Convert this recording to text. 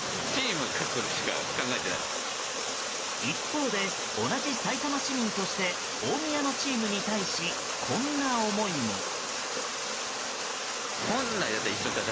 一方で同じさいたま市民として大宮のチームに対しこんな思いも。